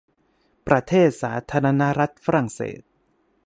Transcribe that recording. ประเทศสาธารณรัฐฝรั่งเศส